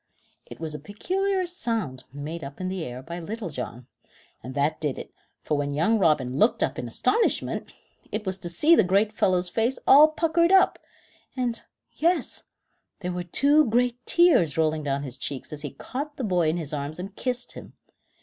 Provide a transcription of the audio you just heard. It was a peculiar sound made up in the air by Little John, and that did it, for when young Robin looked up in astonishment, it was to see the great fellow's face all puckered up, and yes, there were two great tears rolling down his cheeks as he caught the boy in his arms and kissed him.